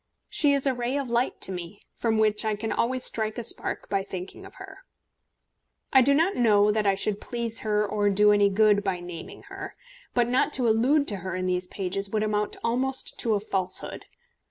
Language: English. She is a ray of light to me, from which I can always strike a spark by thinking of her. I do not know that I should please her or do any good by naming her. But not to allude to her in these pages would amount almost to a falsehood.